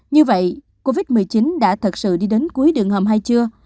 như vậy covid một mươi chín đã thật sự đi đến cuối đường hầm hay chưa